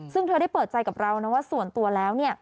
ซึ่งเธอได้เปิดใจกับเรานะว่าส่วนตัวแล้วเนี่ย